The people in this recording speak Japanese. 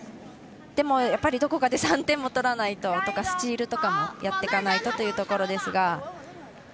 でも、どこかで３点も取らないと、とかスチールとかもやっていかないとというところですが。